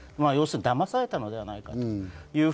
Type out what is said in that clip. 要するにだまされたのではないかと。